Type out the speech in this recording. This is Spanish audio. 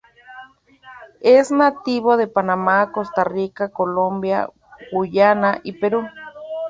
Es nativo de Panamá, Costa Rica, Colombia, Guyana, y Perú.